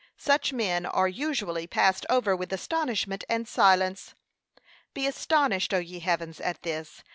Such men are usually passed over with astonishment and silence. 'Be astonished, O ye heavens, at this!